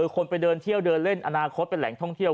คนไปเดินเที่ยวเดินเล่นอนาคตเป็นแหล่งท่องเที่ยว